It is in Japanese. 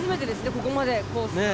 ここまでコース。ねぇ。